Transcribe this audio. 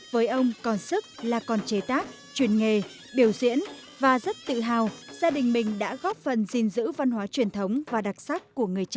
với ông còn sức là còn chế tác truyền nghề biểu diễn và rất tự hào gia đình mình đã góp phần gìn giữ văn hóa truyền thống và đặc sắc của người cha